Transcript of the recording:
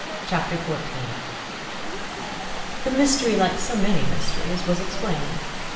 Chapter 14 The mystery, like so many mysteries, was explained.